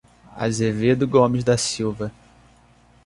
Azevedo Gomes da Silva